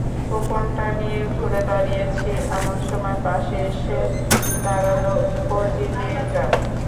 কুপনটা নিয়ে ঘুরে দাঁড়িয়েছি, এমন সময় পাশে এসে দাঁড়াল অজি মেয়েটা।